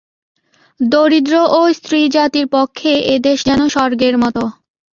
দরিদ্র ও স্ত্রীজাতির পক্ষে এদেশ যেন স্বর্গের মত।